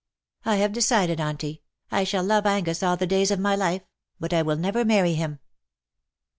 I have decided. Auntie, I shall love Angus all the days of my life, but I will never marry him."